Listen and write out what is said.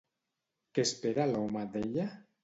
Què espera l'home d'ella?